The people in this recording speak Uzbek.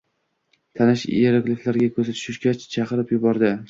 Tanish ierogliflarga ko`zi tushgach, chinqirib yubordi